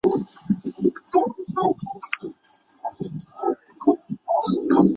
以在太行山之东而得名。